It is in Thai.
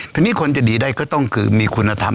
ทีนี้คนจะดีได้ก็ต้องคือมีคุณธรรม